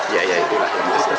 ya ya itulah